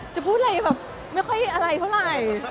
พูดอะไรแบบไม่ค่อยอะไรเท่าไหร่